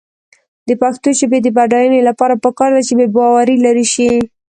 د پښتو ژبې د بډاینې لپاره پکار ده چې بېباوري لرې شي.